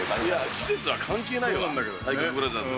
季節は関係ないんだ、体格ブラザーズ。